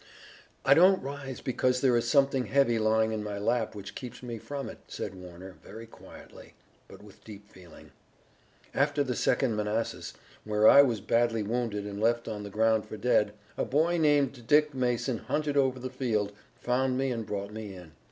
"I don't rise because there is something heavy lying in my lap which keeps me from it," said Warner very quietly, but with deep feeling. "After the Second Manassas, where I was badly wounded and left on the ground for dead, a boy named Dick Mason hunted over the field, found me and brought me in.